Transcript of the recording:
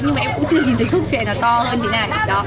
nhưng mà em cũng chưa nhìn thấy gốc chè nào to hơn thế này